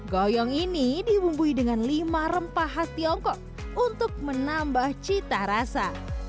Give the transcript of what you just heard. goyong ini dihumbui dengan lima rempah khas tiongkok untuk menambah cita rasa